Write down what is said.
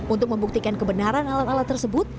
untuk membuktikan kebenaran alat alat tersebut